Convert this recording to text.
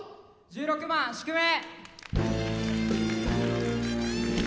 １６番「宿命」。